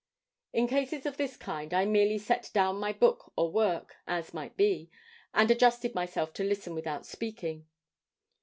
In cases of this kind I merely set down my book or work, as it might be, and adjusted myself to listen without speaking.